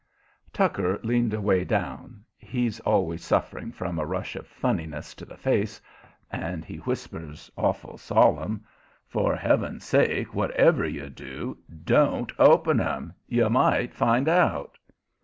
Tucker leaned away down he's always suffering from a rush of funniness to the face and he whispers, awful solemn: "For heaven's sake, whatever you do, don't open 'em. You might find out."